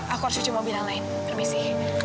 aku harus cuci mobil yang lain permisi